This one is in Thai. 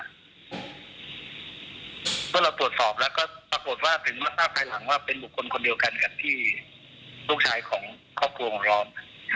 เมื่อเราตรวจสอบแล้วก็ปรากฏว่าถึงมาทราบภายหลังว่าเป็นบุคคลคนเดียวกันกับที่ลูกชายของครอบครัวของเรา